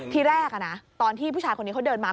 ทีแรกตอนที่ผู้ชายคนนี้เขาเดินมา